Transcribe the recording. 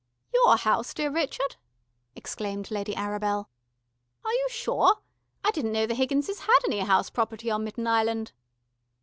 "Your house, dear Rrchud?" exclaimed Lady Arabel. "Are you sure? I didn't know the Higginses had any house property on Mitten Island."